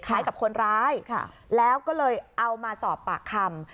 กับคนร้ายแล้วก็เลยเอามาสอบปากคำ